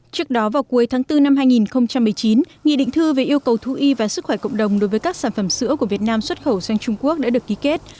trước đó vào cuối tháng bốn năm hai nghìn một mươi chín nghị định thư về yêu cầu thú y và sức khỏe cộng đồng đối với các sản phẩm sữa của việt nam xuất khẩu sang trung quốc đã được ký kết